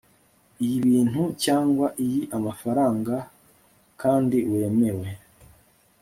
iy ibintu cyangwa iy amafaranga kandi wemewe